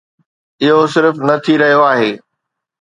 اهو صرف نه ٿي رهيو آهي.